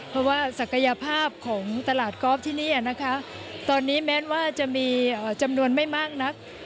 เพราะว่าศักยภาพของตลาดกอล์ฟที่นี่นะคะตอนนี้แม้ว่าจะมีจำนวนไม่มากนัก